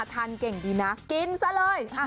กินเก่งดีนะกินซะเลย